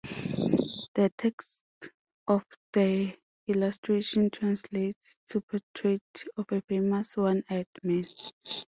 The text of the illustration translates to Portrait of a famous one-eyed man.